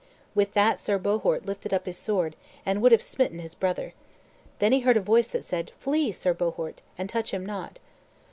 With that Sir Bohort lifted up his sword, and would have smitten his brother. Then he heard a voice that said, "Flee, Sir Bohort, and touch him not."